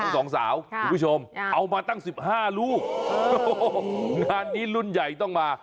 สองสาวคุณผู้ชมเอามาตั้งสิบห้าลูกโอ้โหงานนี้รุ่นใหญ่ต้องมา